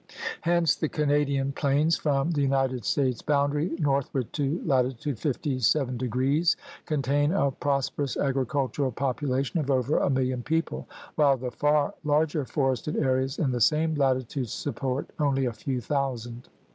Hence the Canadian plains from the United States boundary northward to latitude 57° contain a prosperous agricultural population of over a milHon people, while the far larger forested areas in the same latitude support only a few thousand.